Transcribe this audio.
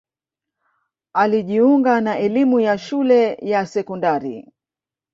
alijiunga na elimu ya shule ya sekondari